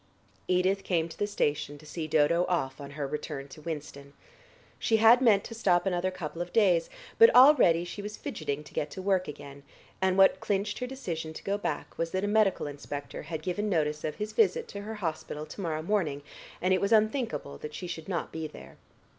Edith came to the station to see Dodo off on her return to Winston. She had meant to stop another couple of days but already she was fidgeting to get to work again, and what clinched her decision to go back was that a medical inspector had given notice of his visit to her hospital to morrow morning and it was unthinkable that she should not be there.